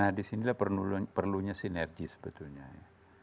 nah disinilah perlunya sinergi sebetulnya ya